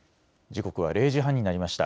時刻は０時半になりました。